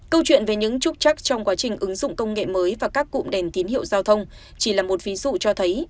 câu chuyện về những trúc chắc trong quá trình ứng dụng công nghệ mới và các cụm đèn tín hiệu giao thông chỉ là một ví dụ cho thấy